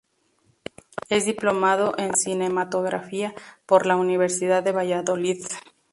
Es diplomado en Cinematografía por la Universidad de Valladolid.